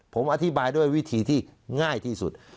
ผมอธิบายด้วยวิธีที่ง่ายที่สุด